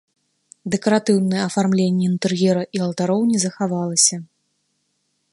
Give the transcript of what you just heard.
Дэкаратыўнае афармленне інтэр'ера і алтароў не захаваліся.